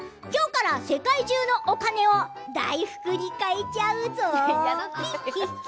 世界中のお金を大福に変えちゃうぞ！